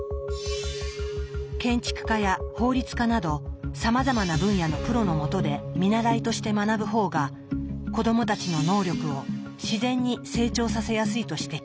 建築家や法律家などさまざまな分野のプロのもとで見習いとして学ぶ方が子どもたちの能力を自然に成長させやすいと指摘。